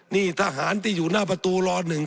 นี่ทหารที่อยู่หน้าประตูล้อหนึ่ง